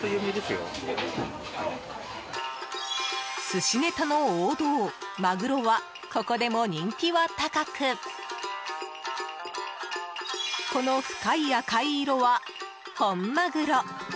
寿司ネタの王道マグロはここでも人気は高くこの深い赤い色は、本マグロ。